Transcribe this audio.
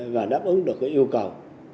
và đáp ứng được yêu cầu